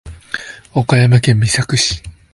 岡山県美作市